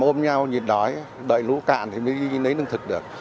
hôm nhau nhịp đói đợi lũ cạn thì mới đi lấy nướng thực được